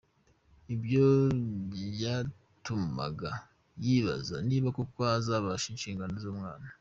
Ibyo byatumaga yibaza niba koko azabasha inshingano z’umwana.